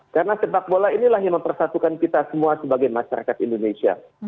karena sepak bola inilah yang mempersatukan kita semua sebagai masyarakat indonesia